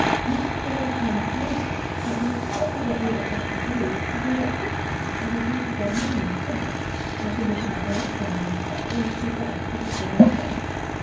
"Mrs. Gray had planned a party for us, but when we told her what we were about to do, she gave up her party and agreed to go to mine instead, on condition that Anne's family, plus Anne's two guests, should have dinner with her."